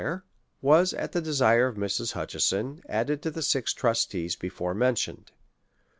was, at the desire of Mrs. Hutcheson, added to the six trustees before mentioned.